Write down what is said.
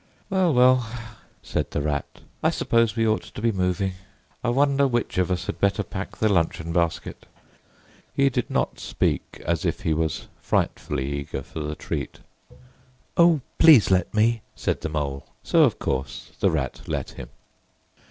"Well, well," said the Rat, "I suppose we ought to be moving. I wonder which of us had better pack the luncheon basket?" He did not speak as if he was frightfully eager for the treat. "O, please let me," said the Mole. So, of course, the Rat let him.